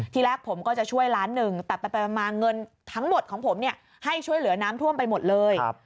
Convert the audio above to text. ที่แรกผมก็จะช่วย๑๐๐๐๐๐๐บาทแต่ประมาณเงินทั้งหมดของผมให้ช่วยเหลือน้ำท่วมไปหมดเลย